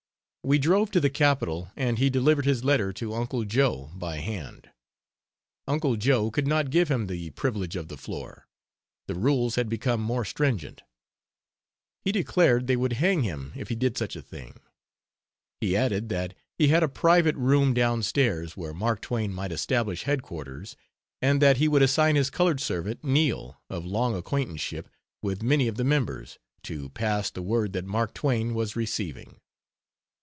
We drove to the Capitol and he delivered his letter to "Uncle Joe" by hand. "Uncle Joe" could not give him the privilege of the floor; the rules had become more stringent. He declared they would hang him if he did such a thing. He added that he had a private room down stairs, where Mark Twain might establish headquarters, and that he would assign his colored servant, Neal, of long acquaintanceship with many of the members, to pass the word that Mark Twain was receiving.